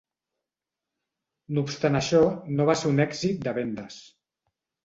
No obstant això, no va ser un èxit de vendes.